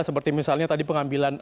seperti misalnya tadi pengambilan